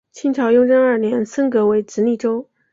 清朝雍正二年升格为直隶州。